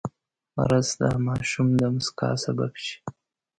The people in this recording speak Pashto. رس د ماشوم د موسکا سبب شي